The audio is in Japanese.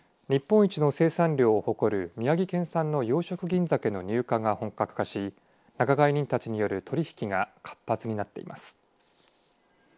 日本一の生産量を誇る宮城県産の養殖銀ざけの入荷が本格化し、仲買人たちによる取り引きが活発になっています。